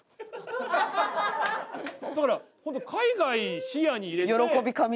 だから本当海外視野に入れて。